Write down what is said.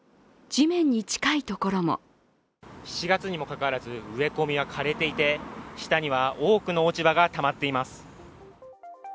７月にもかかわらず植え込みは枯れていて、下には多くの落ち葉がたまっています。